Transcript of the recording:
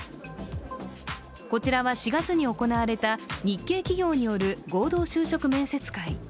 こちらは４月に行われた日系企業による合同就職面接会。